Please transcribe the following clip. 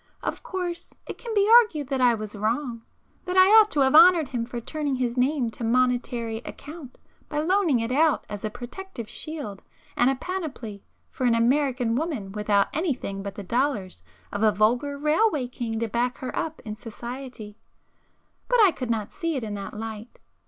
Of course it can be argued that I was wrong,—that I ought to have honoured him for turning his name to monetary account by loaning it out as a protective shield and panoply [p 405] for an American woman without anything but the dollars of a vulgar 'railway king' to back her up in society,—but I could not see it in that light.